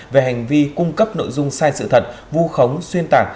về hành vi cung cấp nội dung sai sự thật vu khống xuyên tạc